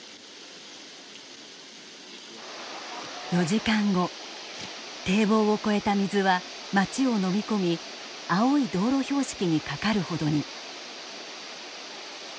４時間後堤防を越えた水は町をのみ込み青い道路標識にかかるほどに。